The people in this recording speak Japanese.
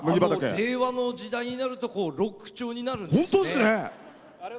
令和の時代になるとロック調になるんですね。